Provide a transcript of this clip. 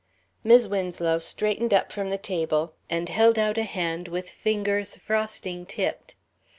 Mis' Winslow straightened up from the table and held out a hand with fingers frosting tipped.